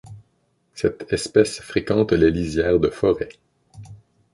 Cette espèce fréquente les lisières de forêts.